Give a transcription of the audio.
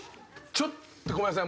ちょっとごめんなさい。